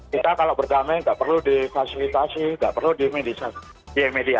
kita kalau berdamai gak perlu di fasilitasi gak perlu di mediasi